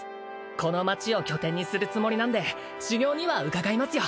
この街を拠点にするつもりなんで修行には伺いますよ